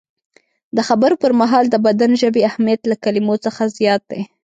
د خبرو پر مهال د بدن ژبې اهمیت له کلمو څخه زیات دی.